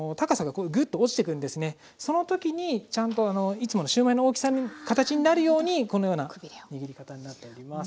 その時にちゃんといつものシューマイの大きさの形になるようにこのような握り方になっております。